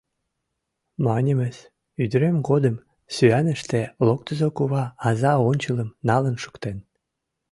Маньымыс: ӱдырем годым сӱаныште локтызо кува аза ончылым налын шуктен.